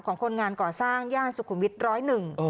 คนงานก่อสร้างย่านสุขุมวิทย์ร้อยหนึ่ง